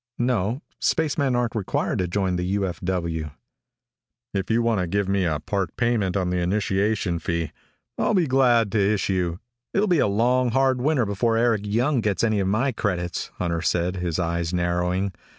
"No. Spacemen aren't required to join the U.F.W." "If you want to give me a part payment on the initiation fee, I'll be glad to issue " "It'll be a long, hard winter before Eric Young gets any of my credits," Hunter said, his eyes narrowing.